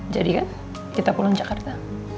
jadi kan kita pulang jakarta